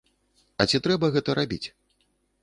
А ці трэба гэта рабіць?